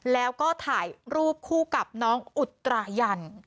แล้วก็ถ่ายรูปคู่กับน้องอุตรายัน